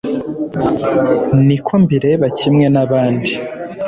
ni ko mbireba kimwe n'abandi